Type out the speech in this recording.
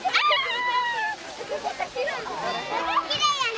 きれいやね！